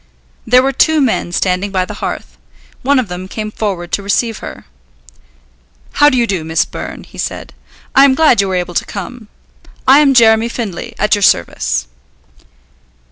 There were two men standing by the hearth. One of them came forward to receive her. "How do you do, Miss Byrne," he said; "I am glad you were able to come. I am Jeremy Findlay, at your service."